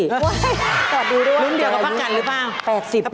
รุ่นเดียวกับประกันหรือเปล่า